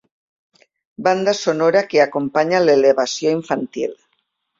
Banda sonora que acompanya l'elevació infantil.